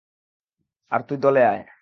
আর তুই দলে আয়।